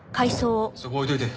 そこ置いといて。